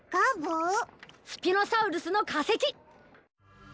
スピノサウルスのかせき！